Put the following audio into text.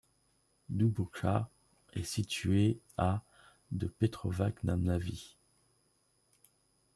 Dubočka est située à de Petrovac na Mlavi.